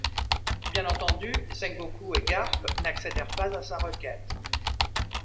Bien entendu Sengoku et Garp n'accédèrent pas à sa requête.